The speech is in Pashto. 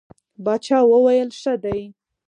باچا وویل ښه دی.